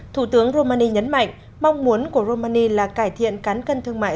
thủ tướng romani nhấn mạnh mong muốn của romani là cải thiện cán cân thương mại